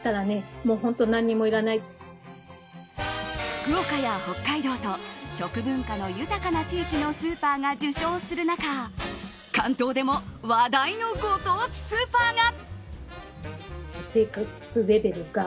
福岡や北海道と食文化の豊かな地域のスーパーが受賞する中関東でも話題のご当地スーパーが。